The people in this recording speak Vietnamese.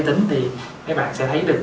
tính thì mấy bạn sẽ thấy được